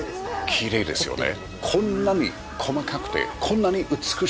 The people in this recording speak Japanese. きれいですよね。